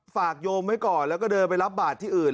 โยมไว้ก่อนแล้วก็เดินไปรับบาทที่อื่น